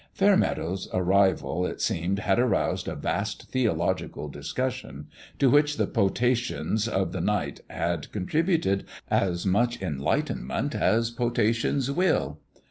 Fairmeadow's arrival, it seemed, had aroused a vast theological discus sion, to which the potations of the night had contributed as much enlightenment as potations will.